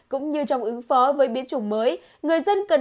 cũng như trong ứng phó với biến chủng mới